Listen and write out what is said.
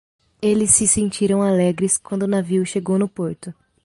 Eles se sentiram alegres quando o navio chegou no porto.